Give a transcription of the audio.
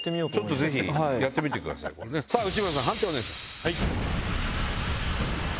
内村さん判定をお願いします。